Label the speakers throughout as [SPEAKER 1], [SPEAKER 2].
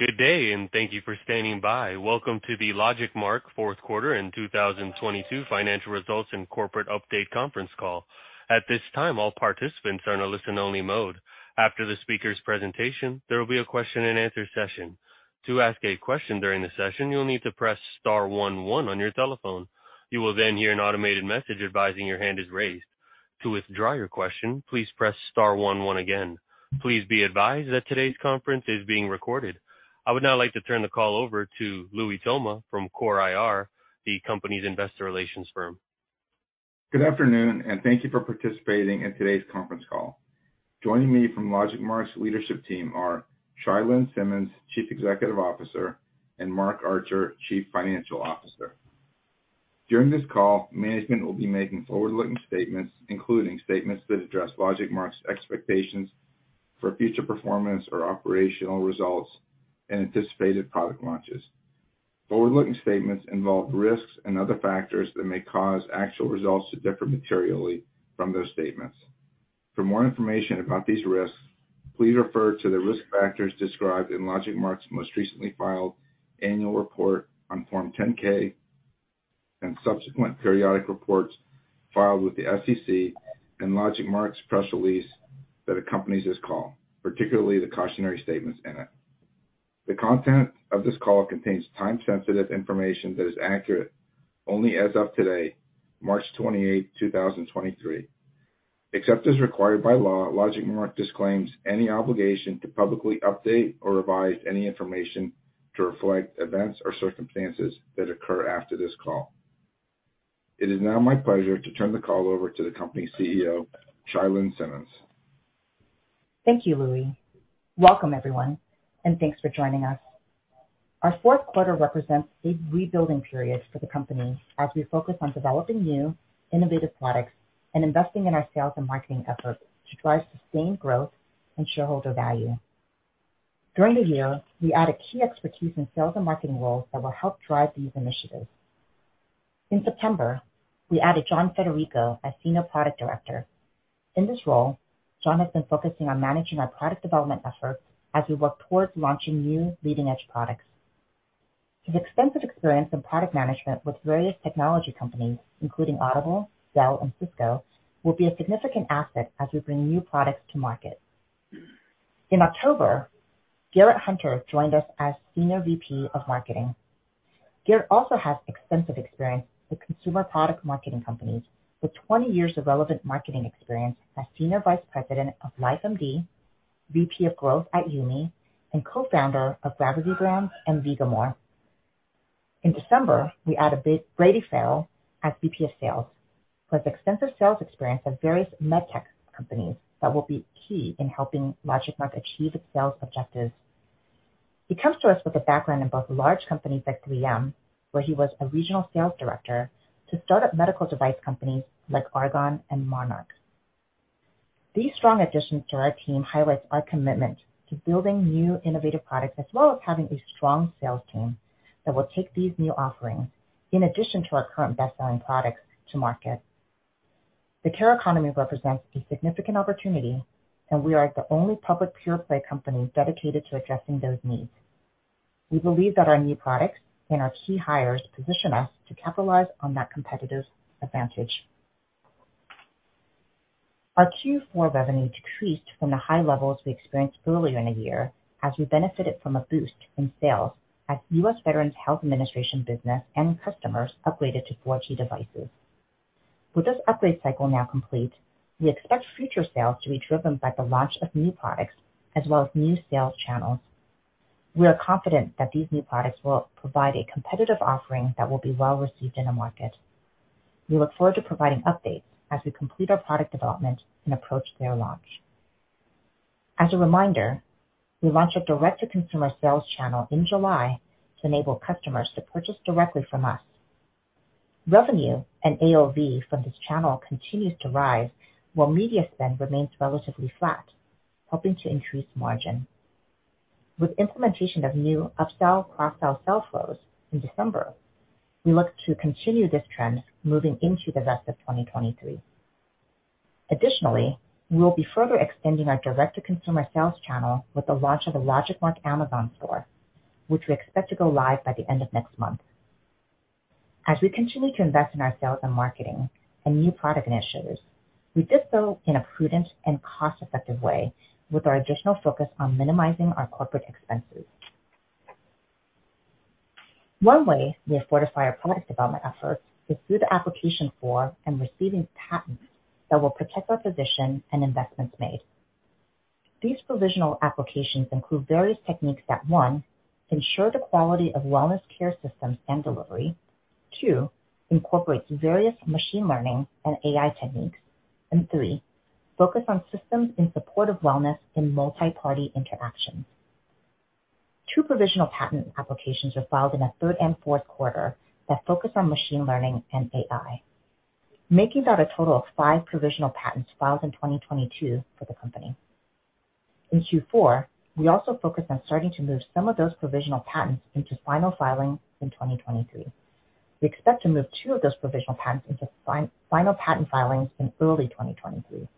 [SPEAKER 1] Good day. Thank you for standing by. Welcome to the LogicMark fourth quarter in 2022 financial results and corporate update conference call. At this time, all participants are in a listen-only mode. After the speaker's presentation, there will be a question-and-answer session. To ask a question during the session, you'll need to press star one one on your telephone. You will hear an automated message advising your hand is raised. To withdraw your question, please press star one one again. Please be advised that today's conference is being recorded. I would now like to turn the call over to Louie Toma from CoreIR, the company's investor relations firm.
[SPEAKER 2] Good afternoon, thank you for participating in today's conference call. Joining me from LogicMark's leadership team are Chia-Lin Simmons, Chief Executive Officer, and Mark Archer, Chief Financial Officer. During this call, management will be making forward-looking statements, including statements that address LogicMark's expectations for future performance or operational results and anticipated product launches. Forward-looking statements involve risks and other factors that may cause actual results to differ materially from those statements. For more information about these risks, please refer to the risk factors described in LogicMark's most recently filed annual report on Form 10-K and subsequent periodic reports filed with the SEC and LogicMark's press release that accompanies this call, particularly the cautionary statements in it. The content of this call contains time-sensitive information that is accurate only as of today, March 28, 2023. Except as required by law, LogicMark disclaims any obligation to publicly update or revise any information to reflect events or circumstances that occur after this call. It is now my pleasure to turn the call over to the company's CEO, Chia-Lin Simmons.
[SPEAKER 3] Thank you, Louie. Welcome, everyone. Thanks for joining us. Our fourth quarter represents a rebuilding period for the company as we focus on developing new innovative products and investing in our sales and marketing efforts to drive sustained growth and shareholder value. During the year, we added key expertise in sales and marketing roles that will help drive these initiatives. In September, we added John Federico as Senior Product Director. In this role, John has been focusing on managing our product development efforts as we work towards launching new leading-edge products. His extensive experience in product management with various technology companies, including Audible, Dell, and Cisco, will be a significant asset as we bring new products to market. In October, Garrett Hunter joined us as Senior VP of Marketing. Garett also has extensive experience with consumer product marketing companies with 20 years of relevant marketing experience as Senior Vice President of LifeMD, VP of Growth at Yumi, and co-founder of Gravity Brands and Vigomore. In December, we added Brady Farrell as VP of Sales. He has extensive sales experience at various medtech companies that will be key in helping LogicMark achieve its sales objectives. He comes to us with a background in both large companies like 3M, where he was a regional sales director, to startup medical device companies like Argon and Monarch. These strong additions to our team highlights our commitment to building new innovative products as well as having a strong sales team that will take these new offerings in addition to our current best-selling products to market. The care economy represents a significant opportunity. We are the only public pure play company dedicated to addressing those needs. We believe that our new products and our key hires position us to capitalize on that competitive advantage. Our Q4 revenue decreased from the high levels we experienced earlier in the year as we benefited from a boost in sales as U.S. Veterans Health Administration business and customers upgraded to 4G LTE devices. With this upgrade cycle now complete, we expect future sales to be driven by the launch of new products as well as new sales channels. We are confident that these new products will provide a competitive offering that will be well received in the market. We look forward to providing updates as we complete our product development and approach their launch. As a reminder, we launched a direct-to-consumer sales channel in July to enable customers to purchase directly from us. Revenue and AOV from this channel continues to rise while media spend remains relatively flat, helping to increase margin. With implementation of new upsell, cross-sell sell flows in December, we look to continue this trend moving into the rest of 2023. We will be further extending our direct-to-consumer sales channel with the launch of a LogicMark Amazon store, which we expect to go live by the end of next month. As we continue to invest in our sales and marketing and new product initiatives, we did so in a prudent and cost-effective way with our additional focus on minimizing our corporate expenses. One way we have fortified our product development efforts is through the application for and receiving patents that will protect our position and investments made. These provisional applications include various techniques that, one, ensure the quality of wellness care systems and delivery. Two, incorporate various machine learning and AI techniques. Three, focus on systems in support of wellness in multi-party interactions. Two provisional patent applications were filed in the third and fourth quarter that focus on machine learning and AI, making that a total of five provisional patents filed in 2022 for the company. In Q4, we also focused on starting to move some of those provisional patents into final filing in 2023. We expect to move two of those provisional patents into final patent filings in early 2023.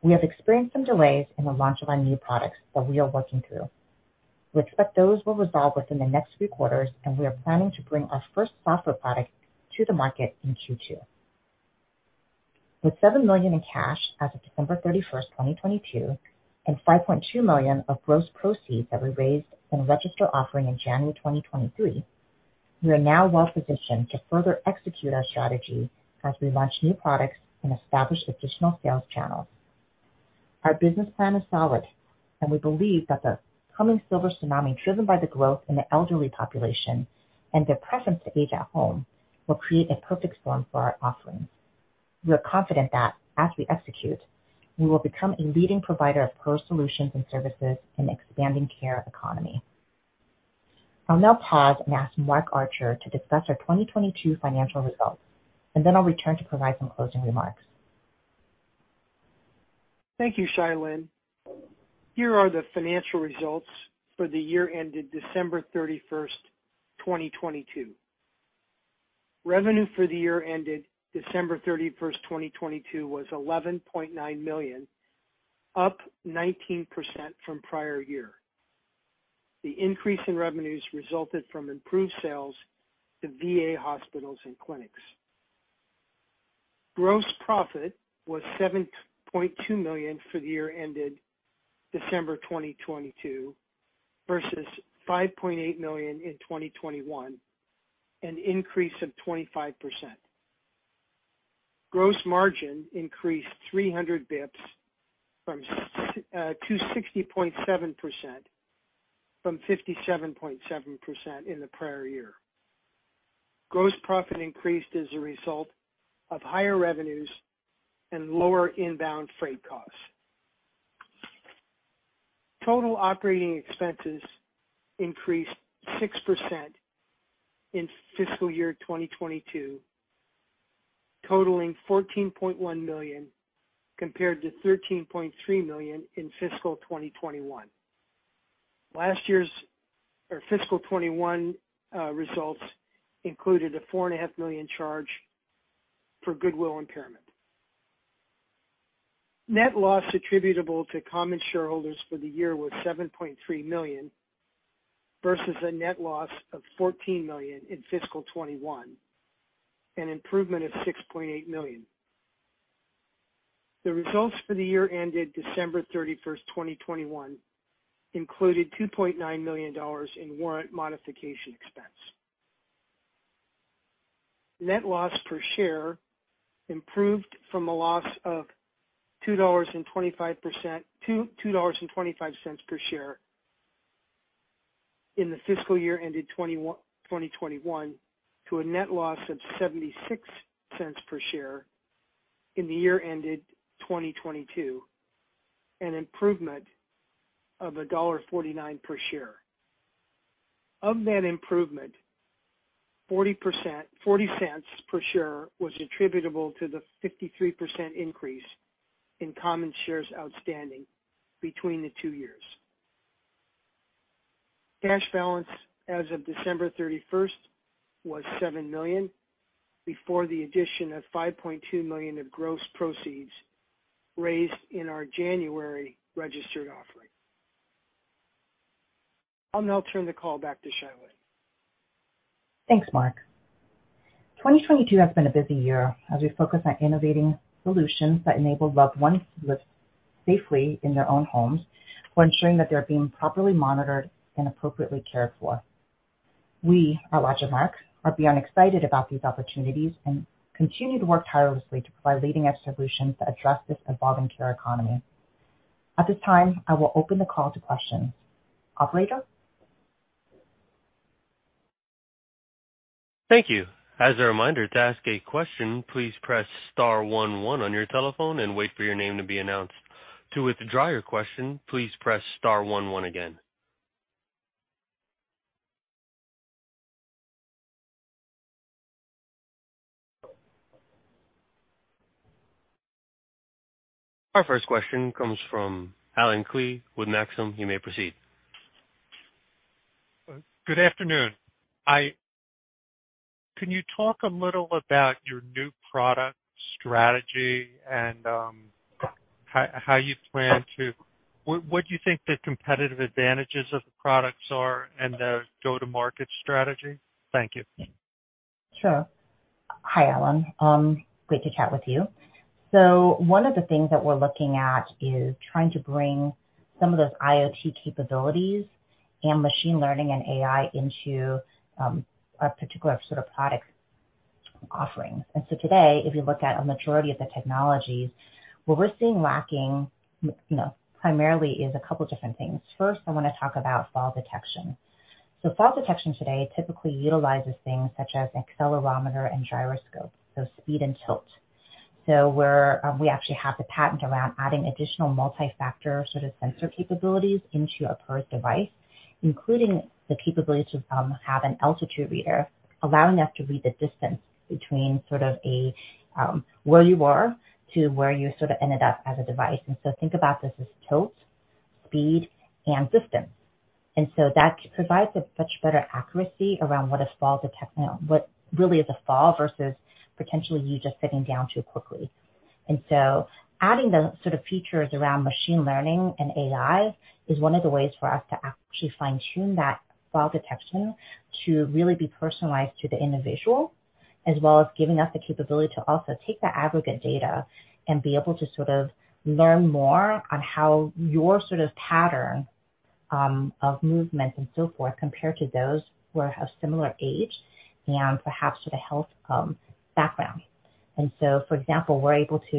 [SPEAKER 3] We have experienced some delays in the launch of our new products that we are working through. We expect those will resolve within the next few quarters, and we are planning to bring our first software product to the market in Q2. With $7 million in cash as of December 31st, 2022, and $5.2 million of gross proceeds that we raised in a registered offering in January 2023, we are now well positioned to further execute our strategy as we launch new products and establish additional sales channels. Our business plan is solid, and we believe that the coming silver tsunami, driven by the growth in the elderly population and their preference to age at home, will create a perfect storm for our offerings. We are confident that as we execute, we will become a leading provider of pro solutions and services in expanding care economy. I'll now pause and ask Mark Archer to discuss our 2022 financial results, and then I'll return to provide some closing remarks.
[SPEAKER 4] Thank you, Chia-Lin. Here are the financial results for the year ended December 31st, 2022. Revenue for the year ended December 31st, 2022 was $11.9 million, up 19% from prior year. The increase in revenues resulted from improved sales to VA hospitals and clinics. Gross profit was $7.2 million for the year ended December 2022 versus $5.8 million in 2021, an increase of 25%. Gross margin increased 300 basis points to 60.7% from 57.7% in the prior year. Gross profit increased as a result of higher revenues and lower inbound freight costs. Total operating expenses increased 6% in fiscal year 2022, totaling $14.1 million, compared to $13.3 million in fiscal 2021. Last year's or fiscal 2021 results included a $4.5 million charge for goodwill impairment. Net loss attributable to common shareholders for the year was $7.3 million versus a net loss of $14 million in fiscal 2021, an improvement of $6.8 million. The results for the year ended December 31st, 2021 included $2.9 million in warrant modification expense. Net loss per share improved from a loss of $2.25 per share in the fiscal year ended 2021 to a net loss of $0.76 per share in the year ended 2022, an improvement of $1.49 per share. Of that improvement, $0.40 per share was attributable to the 53% increase in common shares outstanding between the two years. Cash balance as of December 31st was $7 million before the addition of $5.2 million of gross proceeds raised in our January registered offering. I'll now turn the call back to Chia-Lin.
[SPEAKER 3] Thanks, Mark. 2022 has been a busy year as we focus on innovating solutions that enable loved ones to live safely in their own homes while ensuring that they're being properly monitored and appropriately cared for. We at LogicMark are beyond excited about these opportunities and continue to work tirelessly to provide leading-edge solutions that address this evolving care economy. At this time, I will open the call to questions. Operator?
[SPEAKER 1] Thank you. As a reminder, to ask a question, please press star one one on your telephone and wait for your name to be announced. To withdraw your question, please press star one one again. Our first question comes from Allen Klee with Maxim. You may proceed.
[SPEAKER 5] Good afternoon. Can you talk a little about your new product strategy and how you plan to... What do you think the competitive advantages of the products are and the go-to-market strategy? Thank you.
[SPEAKER 3] Sure. Hi, Allen. Great to chat with you. One of the things that we're looking at is trying to bring some of those IoT capabilities and machine learning and AI into a particular sort of product offering. Today, if you look at a majority of the technologies, what we're seeing lacking, you know, primarily is a couple different things. First, I wanna talk about fall detection. Fall detection today typically utilizes things such as accelerometer and gyroscope, so speed and tilt. We actually have the patent around adding additional multi-factor sort of sensor capabilities into a PERS device, including the capability to have an altitude reader, allowing us to read the distance between sort of a, where you were to where you sort of ended up as a device. Think about this as tilt. Speed and distance. That provides a much better accuracy around what really is a fall versus potentially you just sitting down too quickly. Adding those sort of features around machine learning and AI is one of the ways for us to actually fine-tune that fall detection to really be personalized to the individual, as well as giving us the capability to also take the aggregate data and be able to sort of learn more on how your sort of pattern of movement and so forth compare to those who are of similar age and perhaps with a health background. For example, we're able to,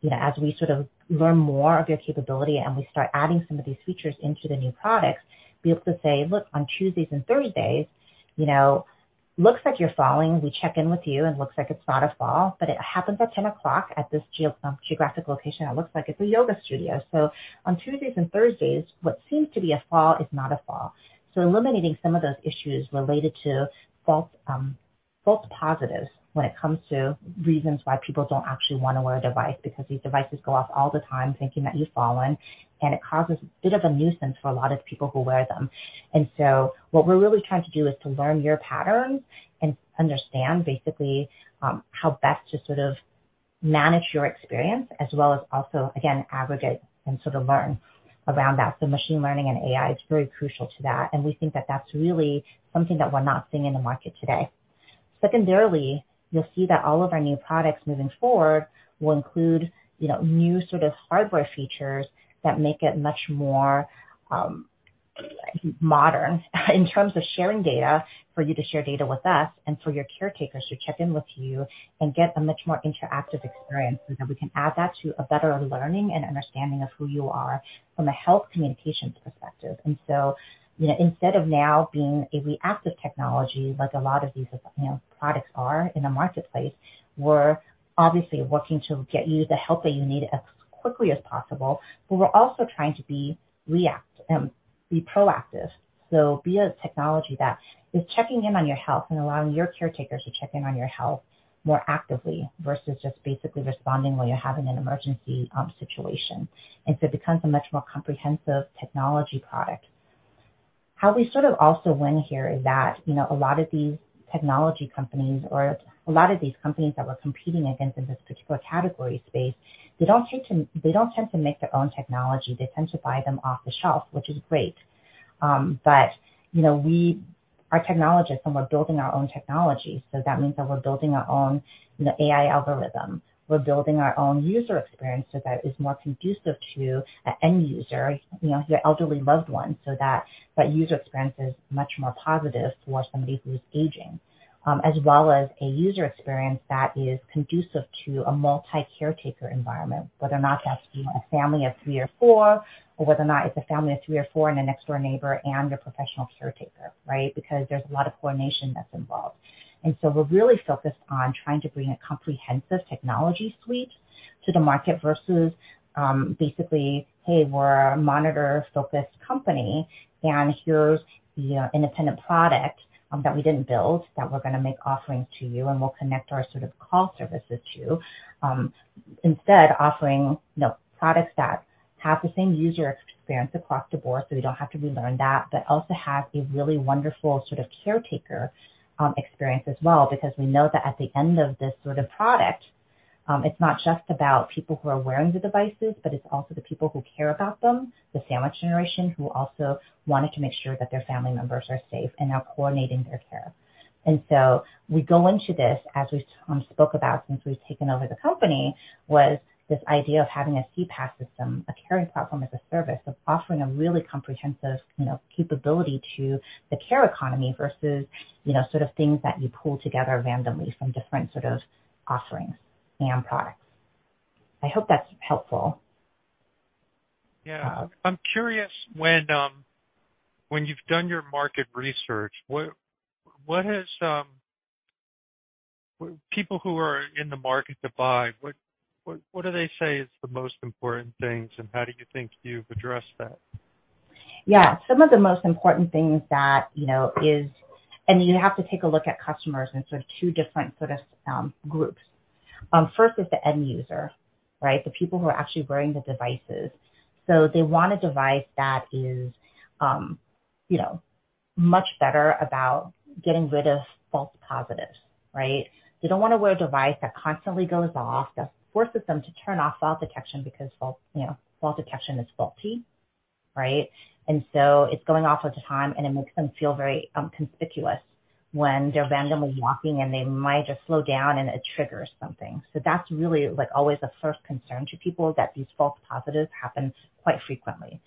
[SPEAKER 3] you know, as we sort of learn more of your capability and we start adding some of these features into the new products, be able to say, "Look, on Tuesdays and Thursdays, you know, looks like you're falling. We check in with you, and looks like it's not a fall, but it happens at 10:00 at this geo geographic location. It looks like it's a yoga studio. On Tuesdays and Thursdays, what seems to be a fall is not a fall." Eliminating some of those issues related to false false positives when it comes to reasons why people don't actually wanna wear a device, because these devices go off all the time thinking that you've fallen, and it causes a bit of a nuisance for a lot of people who wear them. What we're really trying to do is to learn your patterns and understand basically, how best to sort of manage your experience as well as also, again, aggregate and sort of learn around that. Machine learning and AI is very crucial to that, and we think that that's really something that we're not seeing in the market today. Secondarily, you'll see that all of our new products moving forward will include, you know, new sort of hardware features that make it much more, modern in terms of sharing data, for you to share data with us and for your caretakers to check in with you and get a much more interactive experience so that we can add that to a better learning and understanding of who you are from a health communications perspective. You know, instead of now being a reactive technology, like a lot of these, you know, products are in the marketplace, we're obviously working to get you the help that you need as quickly as possible, but we're also trying to be proactive. Be a technology that is checking in on your health and allowing your caretakers to check in on your health more actively, versus just basically responding when you're having an emergency situation. It becomes a much more comprehensive technology product. How we sort of also win here is that, you know, a lot of these technology companies or a lot of these companies that we're competing against in this particular category space, they don't tend to make their own technology. They tend to buy them off the shelf, which is great. You know, we are technologists, and we're building our own technology, so that means that we're building our own, you know, AI algorithm. We're building our own user experience so that it's more conducive to an end user, you know, your elderly loved one, so that that user experience is much more positive for somebody who's aging. As well as a user experience that is conducive to a multi-caretaker environment, whether or not that's, you know, a family of three or four, or whether or not it's a family of three or four and a next-door neighbor and a professional caretaker, right? There's a lot of coordination that's involved. We're really focused on trying to bring a comprehensive technology suite to the market versus, basically, "Hey, we're a monitor-focused company, and here's the independent product that we didn't build that we're gonna make offerings to you, and we'll connect our sort of call services to." Instead offering, you know, products that have the same user experience across the board, so you don't have to relearn that, but also have a really wonderful sort of caretaker experience as well. Because we know that at the end of this sort of product, it's not just about people who are wearing the devices, but it's also the people who care about them, the sandwich generation, who also wanted to make sure that their family members are safe and are coordinating their care. We go into this, as we spoke about since we've taken over the company, was this idea of having a CPaaS system, a carrying platform as a service. Offering a really comprehensive, you know, capability to the care economy versus, you know, sort of things that you pull together randomly from different sort of offerings and products. I hope that's helpful.
[SPEAKER 5] I'm curious, when you've done your market research, what has People who are in the market to buy, what do they say is the most important things, and how do you think you've addressed that?
[SPEAKER 3] Yeah. Some of the most important things that, you know, is. You have to take a look at customers in sort of two different sort of groups. First is the end user, right? The people who are actually wearing the devices. They want a device that is, you know, much better about getting rid of false positives, right? They don't wanna wear a device that constantly goes off, that forces them to turn off fall detection because fall detection is faulty, right? It's going off all the time, and it makes them feel very conspicuous when they're randomly walking and they might just slow down and it triggers something. That's really, like, always a first concern to people, that these false positives happen quite frequently.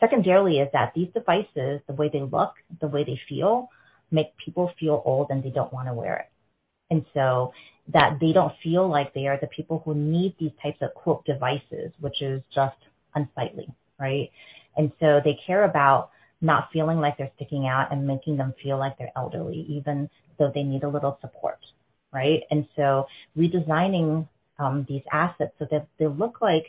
[SPEAKER 3] Secondarily is that these devices, the way they look, the way they feel, make people feel old and they don't wanna wear it. So that they don't feel like they are the people who need these types of, quote, "devices," which is just unsightly, right? So they care about not feeling like they're sticking out and making them feel like they're elderly, even though they need a little support, right? Redesigning these assets so that they look like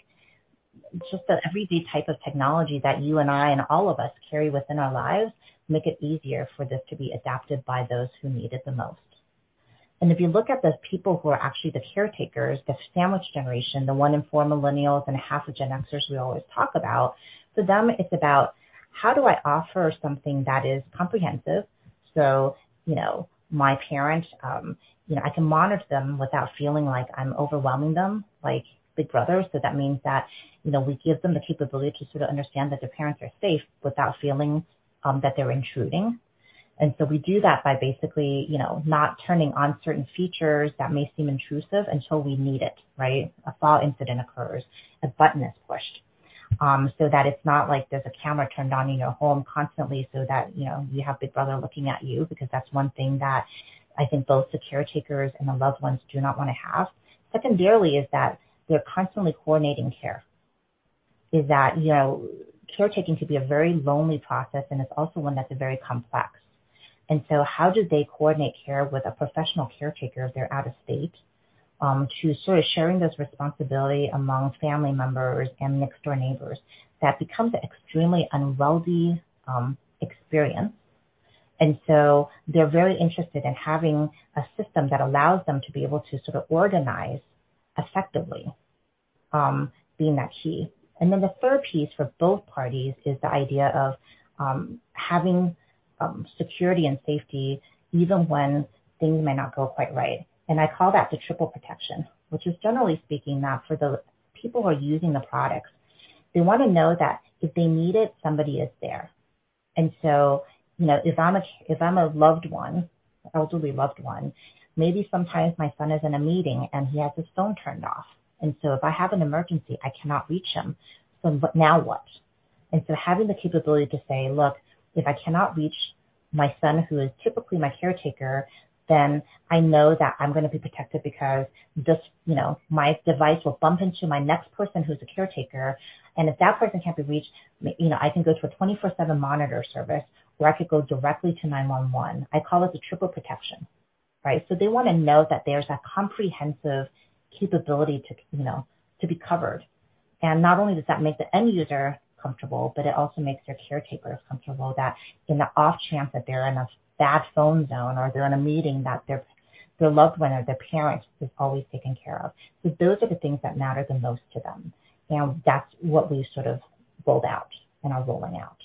[SPEAKER 3] just an everyday type of technology that you and I and all of us carry within our lives make it easier for this to be adapted by those who need it the most. If you look at those people who are actually the caretakers, the sandwich generation, the one in four millennials and half the Gen Xers we always talk about, for them it's about how do I offer something that is comprehensive so, you know, my parents, you know, I can monitor them without feeling like I'm overwhelming them like Big Brother. That means that, you know, we give them the capability to sort of understand that their parents are safe without feeling that they're intruding. We do that by basically, you know, not turning on certain features that may seem intrusive until we need it, right? A fall incident occurs, a button is pushed. So that it's not like there's a camera turned on in your home constantly so that, you know, you have Big Brother looking at you, because that's one thing that I think both the caretakers and the loved ones do not wanna have. Secondarily is that they're constantly coordinating care. Is that, you know, caretaking could be a very lonely process, and it's also one that's very complex. How do they coordinate care with a professional caretaker if they're out of state, to sort of sharing this responsibility among family members and next-door neighbors. That becomes an extremely unwieldy, experience. They're very interested in having a system that allows them to be able to sort of organize effectively, being that key. The third piece for both parties is the idea of having security and safety even when things may not go quite right. I call that the triple protection, which is generally speaking that for the people who are using the products, they wanna know that if they need it, somebody is there. You know, if I'm a loved one, elderly loved one, maybe sometimes my son is in a meeting and he has his phone turned off. If I have an emergency, I cannot reach him. But now what? Having the capability to say, "Look, if I cannot reach my son who is typically my caretaker, then I know that I'm gonna be protected because this, you know, my device will bump into my next person who's a caretaker. If that person can't be reached, you know, I can go to a 24/7 monitor service, or I could go directly to 911." I call it the triple protection, right? They wanna know that there's a comprehensive capability to, you know, to be covered. Not only does that make the end user comfortable, but it also makes their caretakers comfortable that in the off chance that they're in a bad phone zone or they're in a meeting that their loved one or their parent is always taken care of. Those are the things that matter the most to them. You know, that's what we sort of rolled out and are rolling out.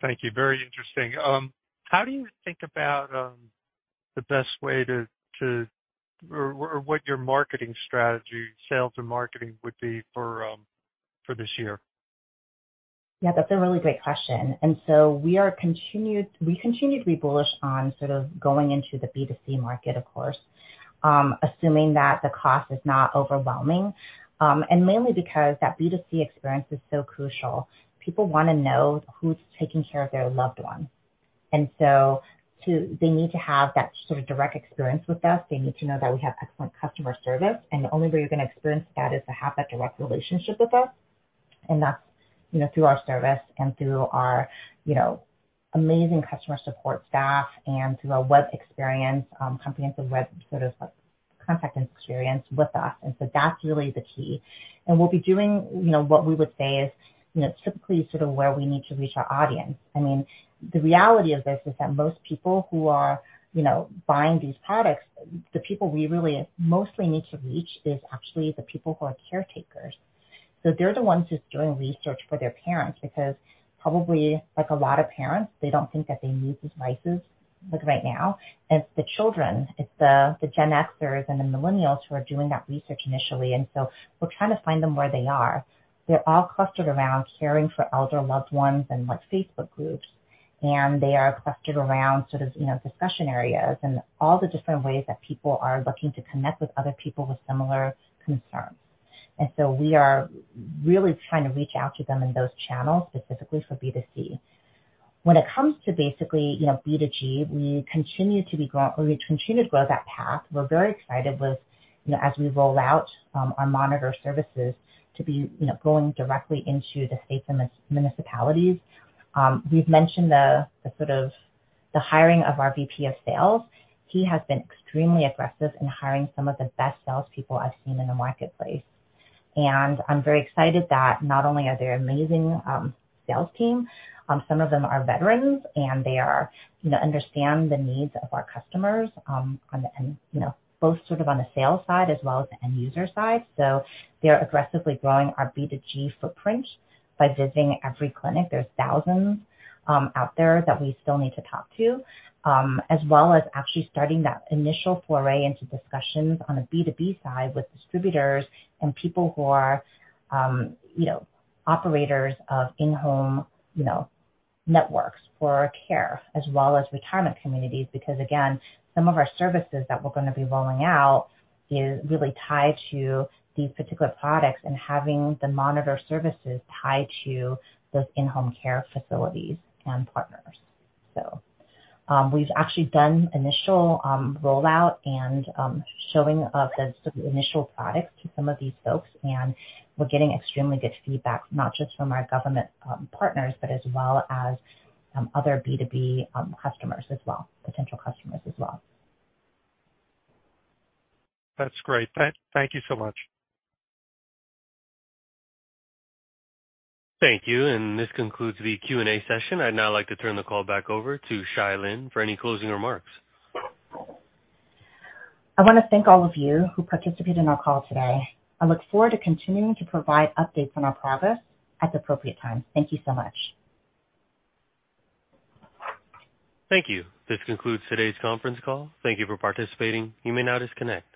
[SPEAKER 5] Thank you. Very interesting. How do you think about the best way to Or what your marketing strategy, sales and marketing would be for this year?
[SPEAKER 3] Yeah, that's a really great question. We continue to be bullish on sort of going into the B2C market, of course, assuming that the cost is not overwhelming. Mainly because that B2C experience is so crucial. People wanna know who's taking care of their loved one. They need to have that sort of direct experience with us. They need to know that we have excellent customer service, and the only way you're gonna experience that is to have that direct relationship with us. That's, you know, through our service and through our, you know, amazing customer support staff and through our web experience, comprehensive web sort of like contact and experience with us. That's really the key. We'll be doing, you know, what we would say is, you know, typically sort of where we need to reach our audience. I mean, the reality of this is that most people who are, you know, buying these products, the people we really mostly need to reach is actually the people who are caretakers. They're the ones who's doing research for their parents, because probably like a lot of parents, they don't think that they need devices like right now. It's the children, it's the Gen Xers and the millennials who are doing that research initially. We're trying to find them where they are. They're all clustered around caring for elder loved ones and like Facebook groups, and they are clustered around sort of, you know, discussion areas and all the different ways that people are looking to connect with other people with similar concerns. We are really trying to reach out to them in those channels, specifically for B2C. When it comes to basically, you know, B2G, we continue to grow that path. We're very excited with, you know, as we roll out, our monitor services to be, you know, going directly into the states and municipalities. We've mentioned the sort of the hiring of our VP of sales. He has been extremely aggressive in hiring some of the best salespeople I've seen in the marketplace. I'm very excited that not only are they amazing, sales team, some of them are veterans and they are, you know, understand the needs of our customers, on the and, you know, both sort of on the sales side as well as the end user side. They're aggressively growing our B2G footprint by visiting every clinic. There's thousands out there that we still need to talk to, as well as actually starting that initial foray into discussions on a B2B side with distributors and people who are, you know, operators of in-home, you know, networks for care as well as retirement communities, because again, some of our services that we're gonna be rolling out is really tied to these particular products and having the monitor services tied to those in-home care facilities and partners. We've actually done initial rollout and showing of the sort of initial products to some of these folks, and we're getting extremely good feedback, not just from our government partners, but as well as some other B2B customers as well, potential customers as well.
[SPEAKER 5] That's great. Thank you so much.
[SPEAKER 1] Thank you. This concludes the Q&A session. I'd now like to turn the call back over to Chia-Lin for any closing remarks.
[SPEAKER 3] I wanna thank all of you who participated in our call today. I look forward to continuing to provide updates on our progress at the appropriate time. Thank you so much.
[SPEAKER 1] Thank you. This concludes today's conference call. Thank you for participating. You may now disconnect.